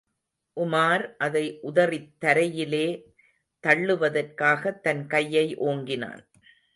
உமார் அதை உதறித் தரையிலே தள்ளுவதற்காகத் தன் கையை ஓங்கினான்.